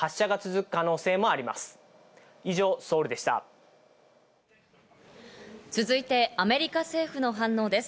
続いてアメリカ政府の反応です。